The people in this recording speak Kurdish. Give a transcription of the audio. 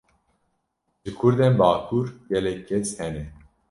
Ji Kurdên bakur, gelek kes hene